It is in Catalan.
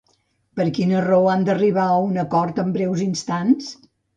Per quina raó han d'arribar a un acord en breus instants?